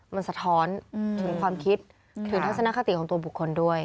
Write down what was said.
มันสะท้อนถึงความคิดถึงทัศนคติของตัวบุคคลด้วย